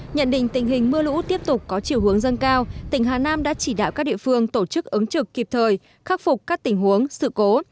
nhận định tình hình mưa lũ tiếp tục có chiều hướng dân cao tỉnh hà nam đã chỉ đạo các địa phương tổ chức ứng trực kịp thời khắc phục các tình huống sự cố